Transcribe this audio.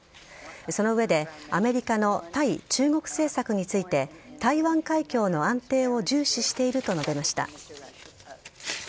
その上でアメリカの対中国政策について台湾海峡の安定を重視していると述べました。